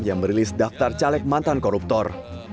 yang merilis daftar caleg mantan koruptor